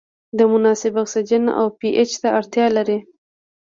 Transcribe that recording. د مناسب اکسیجن او پي اچ ته اړتیا لري.